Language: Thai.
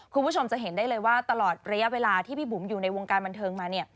คุณผู้ชมจะเห็นได้เลยว่าตลอดระยะเวลาที่พี่บุ๋มอยู่ในวงการบันเทิงมาเนี่ย